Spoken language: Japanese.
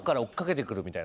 みたいな。